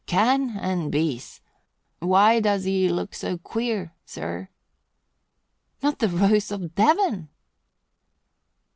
"Can and beës. Why does 'ee look so queer, sir?" "Not the Rose of Devon!"